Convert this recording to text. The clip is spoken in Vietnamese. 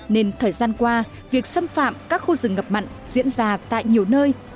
nên thời gian qua việc xâm phạm các khu rừng ngập mặn diễn ra tại nhiều nơi